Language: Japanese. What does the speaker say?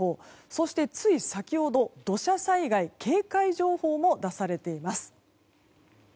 そして、つい先ほど土砂災害警戒情報も出されています。